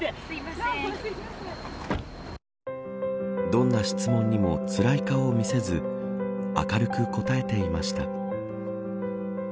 どんな質問にもつらい顔を見せず明るく答えていました。